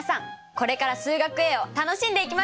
これから「数学Ａ」を楽しんでいきましょう！